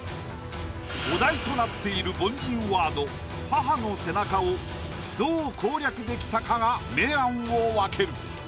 お題となっている凡人ワード「母の背中」をどう攻略できたかが明暗を分ける。